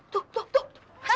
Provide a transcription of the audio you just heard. tuk tuk tuk